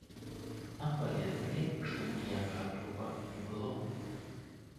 Там паведамілі, што ніякага трупа не было.